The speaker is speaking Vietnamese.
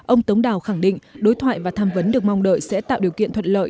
ông tống đào khẳng định đối thoại và tham vấn được mong đợi sẽ tạo điều kiện thuận lợi